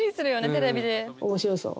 面白そう？